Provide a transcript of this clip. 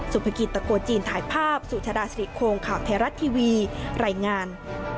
สุภกิจตะโกจีนถ่ายภาพสุธดาสิริโครงข่าวไทยรัฐทีวีรายงาน